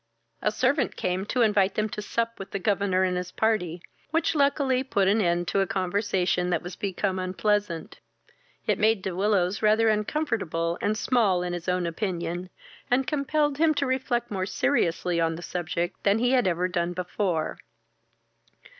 A servant came to invite them to sup with the governor and his party, which luckily put an end to a conversation that was become unpleasant. It made De Willows rather uncomfortable and small in his own opinion, and compelled him to reflect more seriously on the subject than he had ever done before.